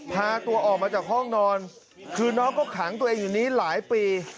พาตัวออกมาจากห้องนอนคือน้องก็ขังตัวเองอยู่นี้หลายปี